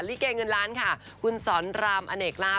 ลิเกเงินล้านค่ะคุณสอนรามอเนกล้า